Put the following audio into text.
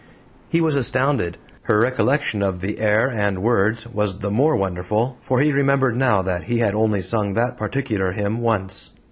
He was astounded. Her recollection of the air and words was the more wonderful, for he remembered now that he had only sung that particular hymn once.